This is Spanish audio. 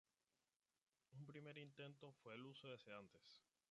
Un primer intento fue el uso de sedantes.